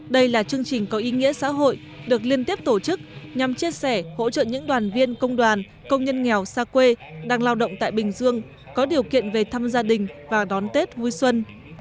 đây là chương trình có ý nghĩa xã hội được liên tiếp tổ chức nhằm chia sẻ hỗ trợ những đoàn viên công đoàn công nhân nghèo xa quê đang lao động tại bình dương có điều kiện về thăm gia đình và đón tết vui xuân